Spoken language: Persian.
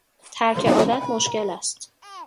ترک عادت مشکل است.